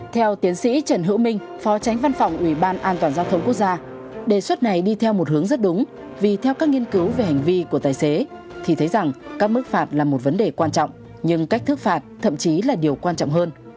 theo tiến sĩ trần hữu minh phó tránh văn phòng ủy ban an toàn giao thông quốc gia đề xuất này đi theo một hướng rất đúng vì theo các nghiên cứu về hành vi của tài xế thì thấy rằng các mức phạt là một vấn đề quan trọng nhưng cách thức phạt thậm chí là điều quan trọng hơn